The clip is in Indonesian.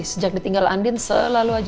sejak ditinggal andi selalu saja